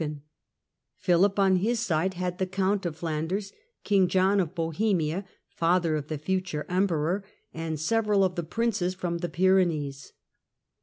French t fllllSitlCBS Philip on his side had the Count of Flanders, King John of Bohemia father of the future Emperor, and several of the Princes from the Pyrenees.